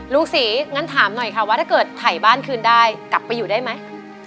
ลุงศรีงั้นถามหน่อยค่ะว่าถ้าเกิดถ่ายบ้านคืนได้กลับไปอยู่ได้ไหม